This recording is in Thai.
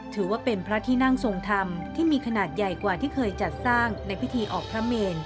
ถือว่าเป็นพระที่นั่งทรงธรรมที่มีขนาดใหญ่กว่าที่เคยจัดสร้างในพิธีออกพระเมน